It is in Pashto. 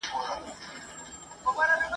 د پلار نه ولي چي د پلار سره شتمني له سره نه وي